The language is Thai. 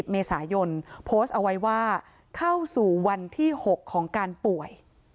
เมษายนโพสต์เอาไว้ว่าเข้าสู่วันที่๖ของการป่วย